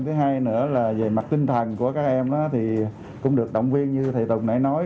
thứ hai nữa là về mặt tinh thần của các em thì cũng được động viên như thầy tùng đã nói